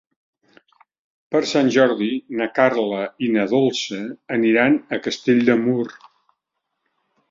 Per Sant Jordi na Carla i na Dolça aniran a Castell de Mur.